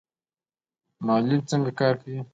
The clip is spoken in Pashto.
معلولین څنګه کار کوي؟